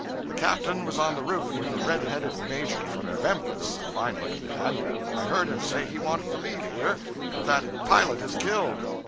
The captain was on the roof with a red headed major from Memphis a fine looking man. I heard him say he wanted to leave here, but 'that pilot is killed.'